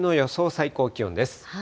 最高気温です。